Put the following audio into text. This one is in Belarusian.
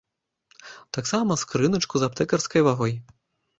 Таксама скрыначку з аптэкарскай вагой.